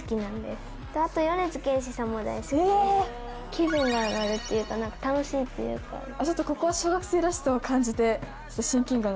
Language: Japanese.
気分が上がるっていうか楽しいっていうか。を感じて。